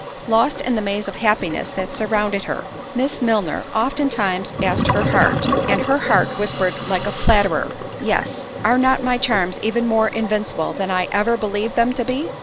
Lost in the maze of happiness that surrounded her, Miss Milner oftentimes asked her heart, and her heart whispered like a flatterer, "Yes;" Are not my charms even more invincible than I ever believed them to be?